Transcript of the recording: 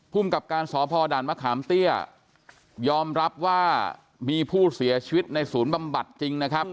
พุ่มกับการสอบพอดันมคามเตี้ยยอมรับว่ามีผู้เสียชีวิตในศูนย์ประบัติจริงนะครับ